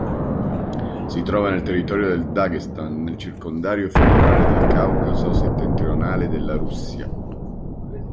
Si trova nel territorio del Daghestan, nel Circondario federale del Caucaso Settentrionale della Russia.